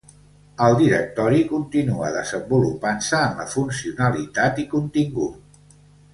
El Directori continua desenvolupant-se en la funcionalitat i contingut.